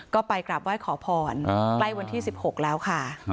ก็ไปกราบไหว้ขอพรใกล้วันที่๑๖แล้วค่ะ